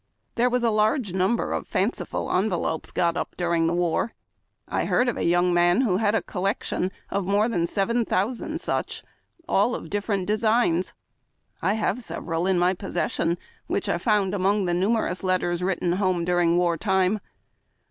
There were a large number of fanciful envelopes got up during the war. I heard of a young man who had a collec tion of more than seven thousand such, all of different designs. I have several in my possession which I found among the numerous letters written home during war time.